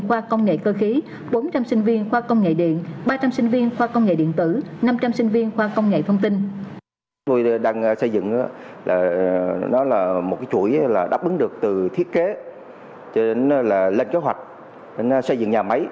khoa công nghệ cơ khí bốn trăm linh sinh viên khoa công nghệ điện ba trăm linh sinh viên khoa công nghệ điện tử